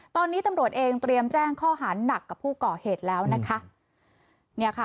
ตอนนี้ตำรวจเองเตรียมแจ้งข้อหาหนักกับผู้ก่อเหตุแล้วนะคะเนี่ยค่ะ